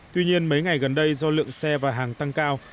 tuy nhiên mấy ngày gần đây do lượng xe và hàng tăng cao